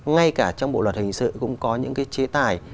ngay cả trong bộ luật hình sự cũng có những cái chế tài